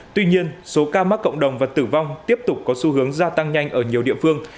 tuy nhiên số ca mắc cộng đồng và tử vong tiếp tục có xu hướng gia tăng nhanh ở nhiều địa phương